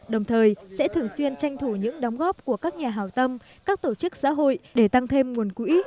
đồng thời sẽ thường xuyên tranh thủ những đóng góp của các nhà hào tâm các tổ chức xã hội để tăng thêm nguồn quỹ